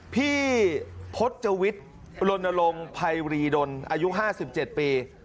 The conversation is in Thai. พี่พจวิทรณรงค์ไพรีดลอายุ๕๗ปี